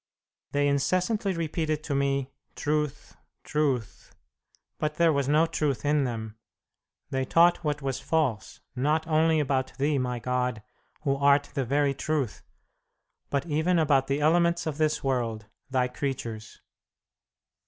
"They incessantly repeated to me, 'Truth, truth,' but there was no truth in them. They taught what was false, not only about Thee, my God, Who art the very Truth, but even about the elements of this world, Thy creatures."